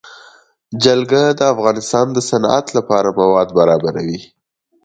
جلګه د افغانستان د صنعت لپاره مواد برابروي.